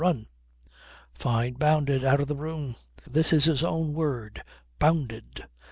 Run!" Fyne bounded out of the room. This is his own word. Bounded!